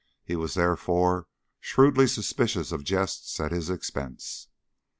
He was, therefore, shrewdly suspicious of jests at his expense.